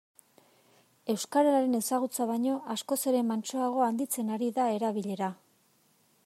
Euskararen ezagutza baino askoz ere mantsoago handitzen ari da erabilera.